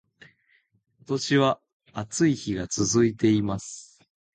今年は暑い日が続いています